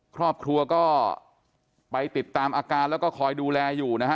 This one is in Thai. ครอบครัวก็ไปติดตามอาการแล้วก็คอยดูแลอยู่นะฮะ